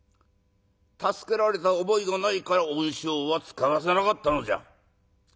助けられた覚えがないから恩賞は遣わせなかったのじゃ。